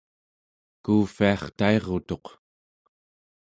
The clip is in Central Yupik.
kuuvviartairutuq